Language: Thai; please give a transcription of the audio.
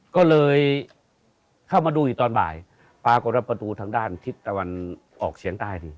ก็เลยเข้ามาดูอีกตอนบ่ายปรากฏว่าประตูทางด้านทิศตะวันออกเฉียงใต้นี่